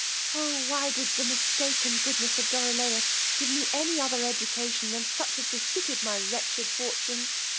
Oh! why did the mistaken goodness of Dorilaus give me any other education than such as befitted my wretched fortune!